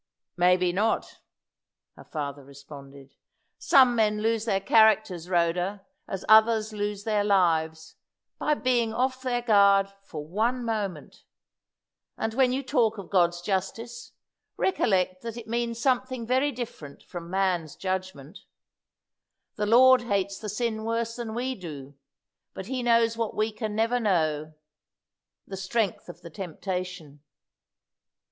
"Maybe not," her father responded. "Some men lose their characters, Rhoda, as others lose their lives, by being off their guard for one moment. And when you talk of God's justice, recollect that it means something very different from man's judgment. The Lord hates the sin worse than we do, but He knows what we can never know the strength of the temptation."